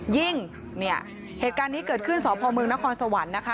ยิ่งเนี่ยเหตุการณ์นี้เกิดขึ้นสพมนครสวรรค์นะคะ